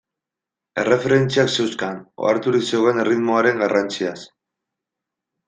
Erreferentziak zeuzkan, oharturik zegoen erritmoaren garrantziaz.